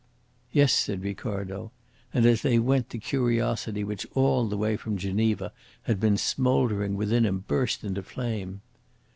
"Yes," said Ricardo. And as they went the curiosity which all the way from Geneva had been smouldering within him burst into flame.